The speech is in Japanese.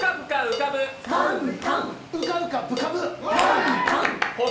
うかうかぷかぶ。